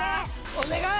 お願い！